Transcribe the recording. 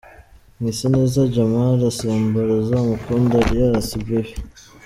Mwiseneza Djamali asimbura Uzamukunda Elias "Baby".